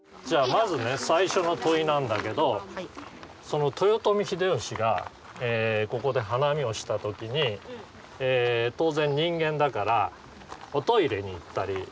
まずね最初の問いなんだけどその豊臣秀吉がここで花見をした時に当然人間だからおトイレに行ったりああそううんちやおしっこをした。